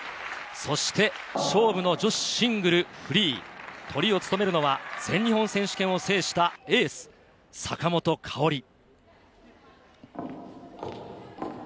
そして、勝負の女子シングルフリー、トリを務めるのは全日本選手権を制したエース・坂本花織。